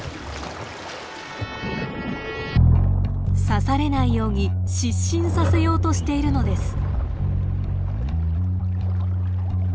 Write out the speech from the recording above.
刺されないように失神させようとしているのです。